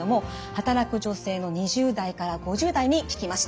働く女性の２０代から５０代に聞きました。